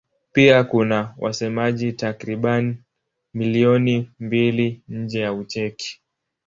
Pia kuna wasemaji takriban milioni mbili nje ya Ucheki.